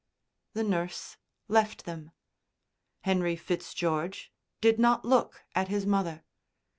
The nurse left them. Henry Fitzgeorge did not look at his mother.